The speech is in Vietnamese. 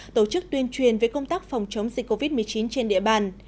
tổ chức tuyên truyền về công tác phòng chống dịch covid một mươi chín trên địa bàn